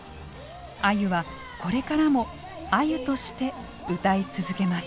あゆはこれからもあゆとして歌い続けます。